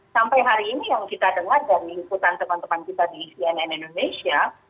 sampai hari ini yang kita dengar dari liputan teman teman kita di cnn indonesia